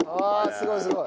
すごいすごい！